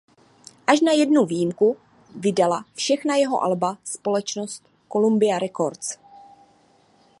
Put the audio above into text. Až na jednu výjimku vydala všechna jeho alba společnost Columbia Records.